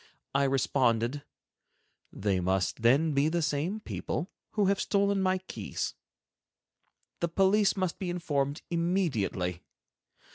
I responded: "They must then be the same people who have stolen my keys. The police must be informed immediately.